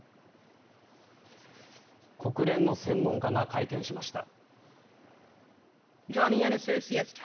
国連の専門家が会見しました。